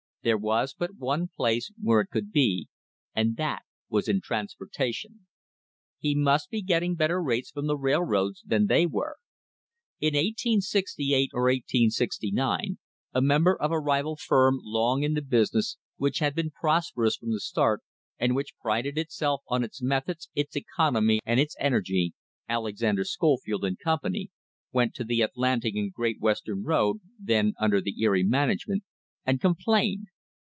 There was but one place where it could be, and that was in trans portation. He must be getting better rates from the railroads than they were. In 1868 or 1869 a member of a rival firm long in the business, which had been prosperous from the start, and which prided itself on its methods, its economy and its energy, Alexander, Scofield and Company, went to the Atlantic and Great Western road, then under the Erie management, and complained.